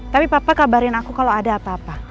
tapi papa kabarin aku kalau ada apa apa